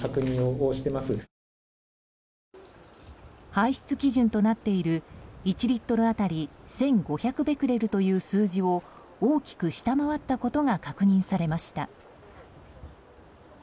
排出基準となっている１リットル当たり１５００ベクレルという数字を大きく下回ったことが確認されました。